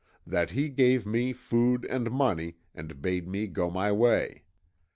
"That he gave me food and money, and bade me go my way.